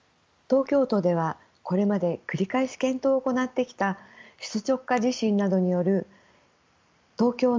東京都ではこれまで繰り返し検討を行ってきた首都直下地震などによる東京の被害想定を１０年ぶりに見直し